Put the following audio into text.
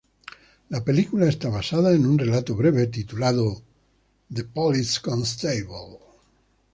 La película esta basada en un relato breve titulado "The Police Constable".